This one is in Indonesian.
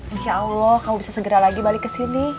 insyaallah kamu bisa segera lagi balik kesini